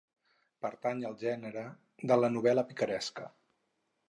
Pertany al gènere de la novel·la picaresca.